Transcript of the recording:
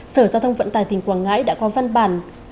sở giao thông vận tài tỉnh quảng ngãi đã có văn bản